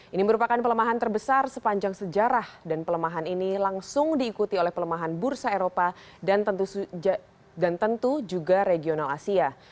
ini merupakan pelemahan terbesar sepanjang sejarah dan pelemahan ini langsung diikuti oleh pelemahan bursa eropa dan tentu juga regional asia